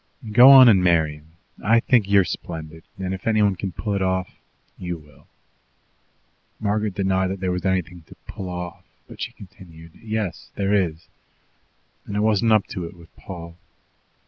"Go on and marry him. I think you're splendid; and if anyone can pull it off, you will." Margaret denied that there was anything to "pull off," but she continued: "Yes, there is, and I wasn't up to it with Paul.